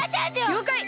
りょうかい！